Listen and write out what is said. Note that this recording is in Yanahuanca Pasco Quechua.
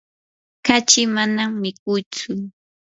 kachi manam mikuytsu.